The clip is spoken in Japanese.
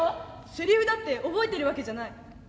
せりふだって覚えてるわけじゃない。